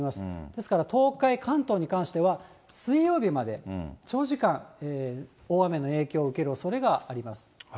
ですから、東海、関東に関しては、水曜日まで長時間大雨の影響を受けるおそれがあります。